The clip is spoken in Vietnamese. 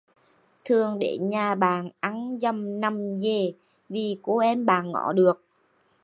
Thường đến nhà bạn ăn dầm nằm dể vì cô em bạn ngó được